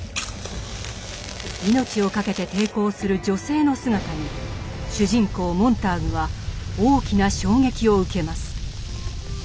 命をかけて抵抗する女性の姿に主人公モンターグは大きな衝撃を受けます。